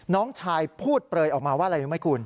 น้องชายพูดเปลยออกมาว่าอะไรรู้ไหมคุณ